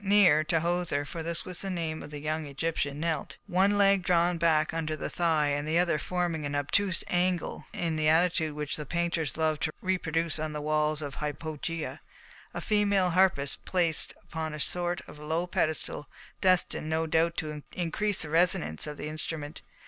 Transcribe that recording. Near Tahoser (for this was the name of the young Egyptian) knelt, one leg drawn back under the thigh and the other forming an obtuse angle, in the attitude which the painters love to reproduce on the walls of hypogea, a female harpist placed upon a sort of low pedestal, destined no doubt to increase the resonance of the instrument.